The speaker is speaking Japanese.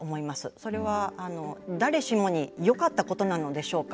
それは、誰しもによかったことなのでしょうか。